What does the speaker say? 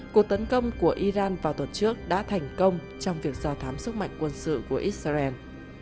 cuộc tấn công của iran vào tuần trước đã thành công trong việc do thám sức mạnh quân sự của israel